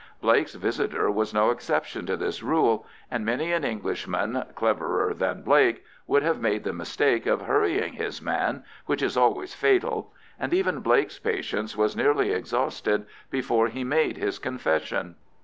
Blake's visitor was no exception to this rule, and many an Englishman, cleverer than Blake, would have made the mistake of hurrying his man, which is always fatal; and even Blake's patience was nearly exhausted before he made his confession.